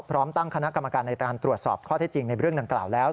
พร้อมตั้งคณะกรรมการในการตรวจสอบข้อเท็จจริงในเรื่องดังกล่าวแล้ว